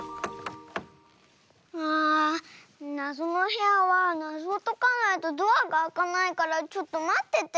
あなぞのへやはなぞをとかないとドアがあかないからちょっとまってて。